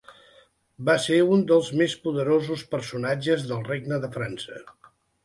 Va ser un dels més poderosos personatges del regne de França.